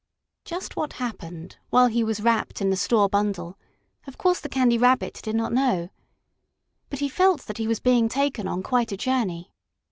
Just what happened, while he was wrapped in the store bundle, of course the Candy Rabbit did not know, but he felt that he was being taken on quite a journey.